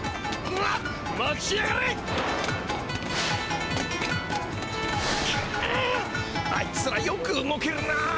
うあいつらよく動けるなあ。